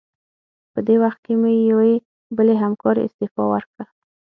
په دې وخت کې مې یوې بلې همکارې استعفا ورکړه.